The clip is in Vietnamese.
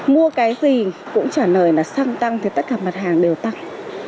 mua cái gì cũng trả lời là xăng tăng thì tất cả mặt hàng đều tăng